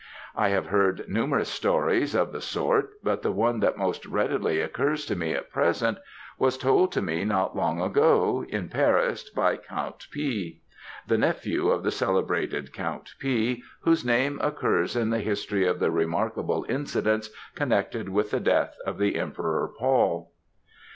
I have heard numerous stories of the sort, but the one that most readily occurs to me at present, was told to me not long ago, in Paris, by Count P. the nephew of the celebrated Count P. whose name occurs in the history of the remarkable incidents connected with the death of the Emperor Paul.